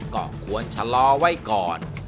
ก็ควรฉลาวไว้ก่อน